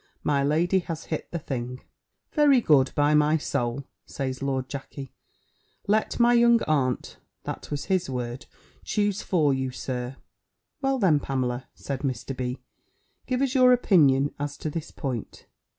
My lady has hit the thing." "Very good, by my soul," says Lord Jackey; "let my young aunt," that was his word, "choose for you, Sir." "Well, then, Pamela," said Mr. B., "give us your opinion, as to this point."